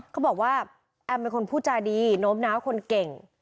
เขาบอกว่าแอมเป็นคนพูดจาดีโน้มน้าวคนเก่ง